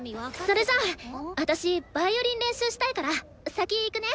それじゃあ私ヴァイオリン練習したいから先行くね！